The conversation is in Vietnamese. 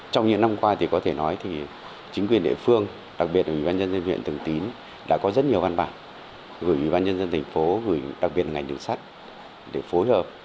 trong những năm qua thì có thể nói thì chính quyền địa phương đặc biệt là ủy ban nhân dân huyện thường tín đã có rất nhiều văn bản gửi ủy ban nhân dân thành phố gửi đặc biệt là ngành đường sắt để phối hợp